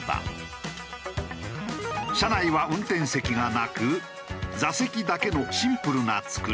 車内は運転席がなく座席だけのシンプルなつくり。